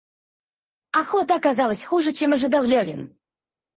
Охота оказалась хуже, чем ожидал Левин.